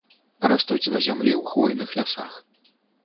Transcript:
Растуць на зямлі ў хвойных лясах.